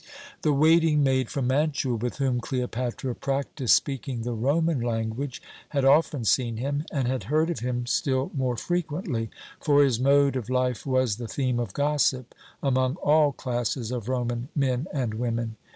"The waiting maid from Mantua, with whom Cleopatra practised speaking the Roman language, had often seen him, and had heard of him still more frequently for his mode of life was the theme of gossip among all classes of Roman men and women.